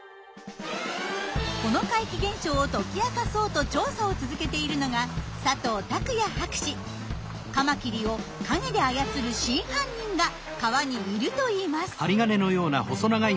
この怪奇現象を解き明かそうと調査を続けているのがカマキリを陰で操る真犯人が川にいるといいます。